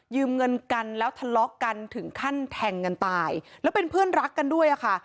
เงินกันแล้วทะเลาะกันถึงขั้นแทงกันตายแล้วเป็นเพื่อนรักกันด้วยอะค่ะ